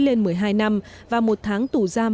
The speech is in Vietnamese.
lên một mươi hai năm và một tháng tù giam